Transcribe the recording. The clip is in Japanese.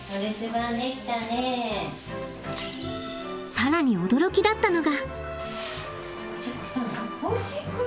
更に驚きだったのが。